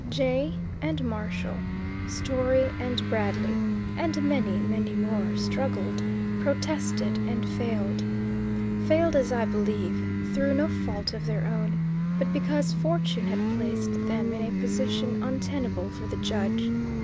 Jay and Marshall, Story and Bradley, and many, many more, struggled, protested, and failed. Failed, as I believe, through no fault of their own, but because fortune had placed them in a position untenable for the judge.